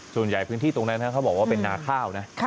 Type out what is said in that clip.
ส่วนใหญ่พื้นที่ตรงนั้นนะครับเขาบอกว่าเป็นนาท่าวนะ